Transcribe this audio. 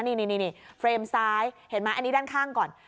นี่เฟรมซ้ายเห็นไหมอันนี้ด้านข้างก่อน